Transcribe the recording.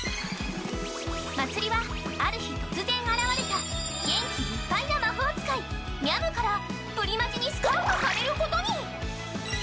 まつりはある日突然現れた元気いっぱいな魔法使いみゃむからプリマジにスカウトされることに。